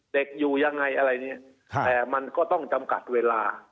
เด็กอยู่ยังไงอะไรเนี่ยแต่มันก็ต้องจำกัดเวลา